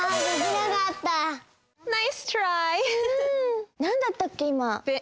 なんだったっけ？